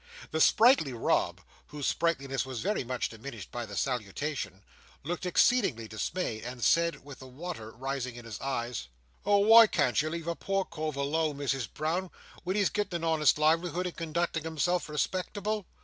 The sprightly Rob, whose sprightliness was very much diminished by the salutation, looked exceedingly dismayed, and said, with the water rising in his eyes: "Oh! why can't you leave a poor cove alone, Misses Brown, when he's getting an honest livelihood and conducting himself respectable?